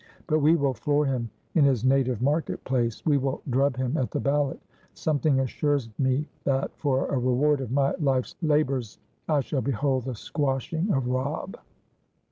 But we will floor him in his native market place. We will drub him at the ballot. Something assures me that, for a reward of my life's labours, I shall behold the squashing of Robb!"